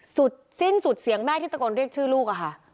สิ้นสุดเสียงแม่ที่ตะโกนเรียกชื่อลูกอะค่ะ